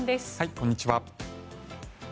こんにちは。